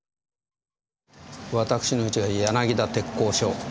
私のうちが柳田鉄工所。